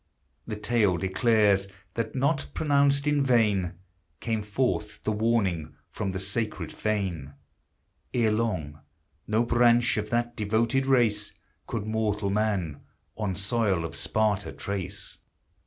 The tale declares that not pronounced in vain Came forth the warning from the sacred fane: Ere long no branch of that devoted race Could mortal man on soil of Sparta trace!